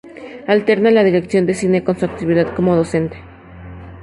Alterna la dirección de cine con su actividad como docente.